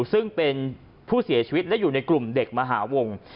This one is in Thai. ซึ่งเป็นผู้เสียชีวิตและอยู่ในกลุ่มเด็กมหาวง